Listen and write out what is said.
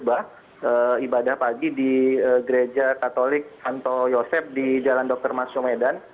kudus ibadah pagi di gereja katolik anto yosep di jalan dr masyomedan